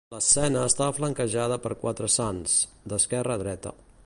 L'escena està flanquejada per quatre sants: d'esquerra a dreta.